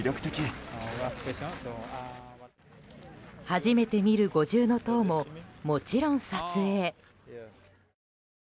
初めて見る五重塔ももちろん撮影。